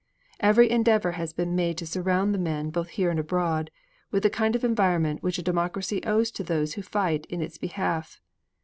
Every endeavor has been made to surround the men, both here and abroad, with the kind of environment which a democracy owes to those who fight in its behalf.